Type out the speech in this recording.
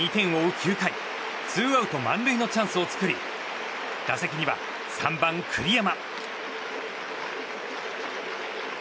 ９回ツーアウト満塁のチャンスを作り打席には３番、栗山。